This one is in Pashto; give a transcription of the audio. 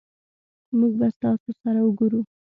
مونږ به ستاسو سره اوګورو